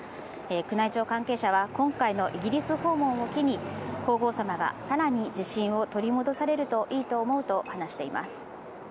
宮内庁関係者は今回のイギリス訪問を機に皇后さまが更に自信を取り戻されるといいと思うと話しています。